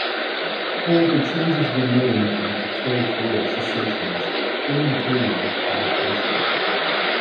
However, changes were made due to territorial cessations during the period of publication.